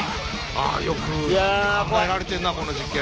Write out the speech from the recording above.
あよく考えられてるなこの実験。